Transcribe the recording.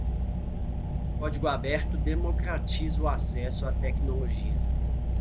Código aberto democratiza o acesso à tecnologia.